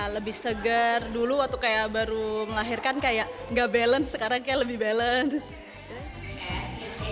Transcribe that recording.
lebih segar dulu waktu baru melahirkan sekarang lebih balance